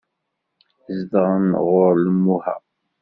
Zedɣen ɣur Imuha.